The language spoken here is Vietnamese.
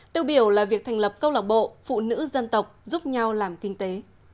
tiêu biểu là việc thành lập câu lạc bộ phụ nữ dân tộc giúp nhau làm kinh tế